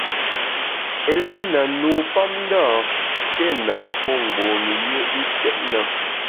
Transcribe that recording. Eléna, nupapndâ, téna pô mgbom-i yùe i fiét na.